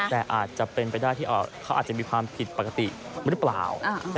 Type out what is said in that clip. แต่อาจจะเป็นไปได้ที่เขาอาจจะมีความผิดปกติหรือเปล่า